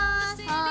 はい。